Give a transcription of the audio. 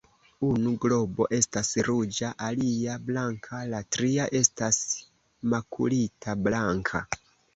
Unu globo estas ruĝa, alia blanka la tria estas makulita blanka.